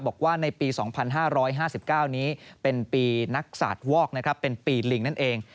บอกว่าในปี๒๕๕๙นี้เป็นปีนักศาสตร์วอกเป็นปีลิงนั่นเอง